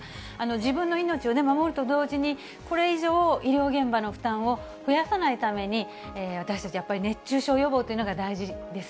自分の命を守ると同時に、これ以上、医療現場の負担を増やさないために、私たちはやっぱり熱中症予防というのが大事です。